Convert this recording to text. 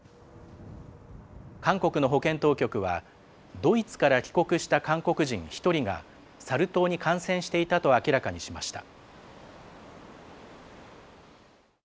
韓国の保健当局は、ドイツから帰国した韓国人１人がサル痘に感染していたと明らかにしました。